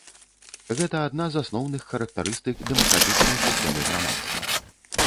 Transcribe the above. Гэта адна з асноўных характарыстык дэмакратычнай сістэмы грамадства.